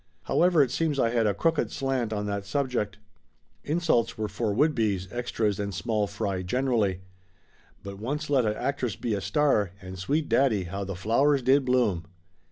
However, it seems I had a crooked slant on that subject. Insults was for would bes, extras and small fry generally. But once let a actress be a star, and sweet daddy, how the flowers did bloom!